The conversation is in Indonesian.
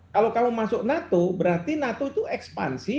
kalau masuk nato berarti nato itu ekspansi